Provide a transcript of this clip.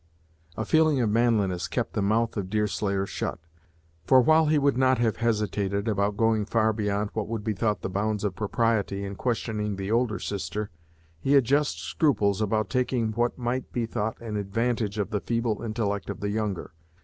A feeling of manliness kept the mouth of Deerslayer shut; for, while he would not have hesitated about going far beyond what would be thought the bounds of propriety, in questioning the older sister, he had just scruples about taking what might be thought an advantage of the feeble intellect of the younger.